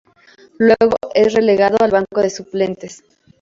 Luego es relegado al banco de suplentes.